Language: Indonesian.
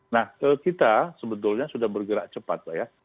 nah kita sebetulnya sudah bergerak cepat lah ya